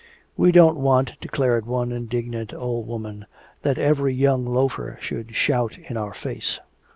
"We don't want," declared one indignant old woman, "that every young loafer should shout in our face!"